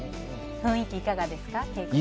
雰囲気、いかがですか？